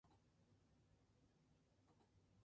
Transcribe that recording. Siempre tiene dudas.